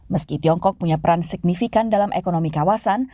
meski tiongkok punya peran signifikan dalam ekonomi kawasan